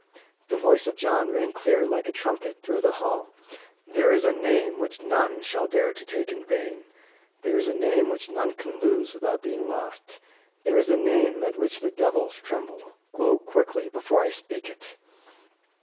The voice of John rang clear, like a trumpet, through the hall. "There is a name which none shall dare to take in vain. There is a name which none can lose without being lost. There is a name at which the devils tremble. Go quickly, before I speak it!"